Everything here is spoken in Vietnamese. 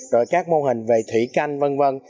rồi các mô hình về thủy canh vân vân